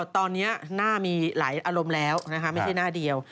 ตอนนี้หน้ามีหลายอารมณ์แล้วนะคะไม่ใช่หน้าเดียว